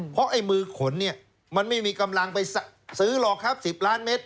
เพราะไอ้มือขนเนี่ยมันไม่มีกำลังไปซื้อหรอกครับ๑๐ล้านเมตร